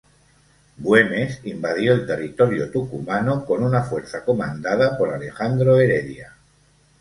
Güemes invadió el territorio tucumano con una fuerza comandada por Alejandro Heredia.